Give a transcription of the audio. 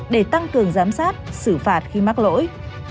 để tăng cường giám sát xử phạt khi mắc lỗi